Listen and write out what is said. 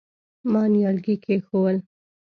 ما نيالګي کېښوول.